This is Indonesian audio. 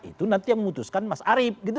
itu nanti yang memutuskan mas arief gitu